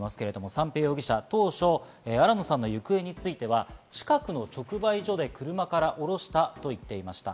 三瓶容疑者、当初、新野さんの行方については近くの直売所で車から降ろしたと言っていました。